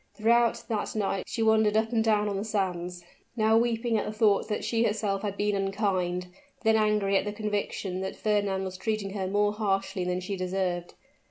Throughout that night she wandered up and down on the sands, now weeping at the thought that she herself had been unkind then angry at the conviction that Fernand was treating her more harshly than she deserved.